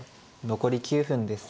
残り９分です。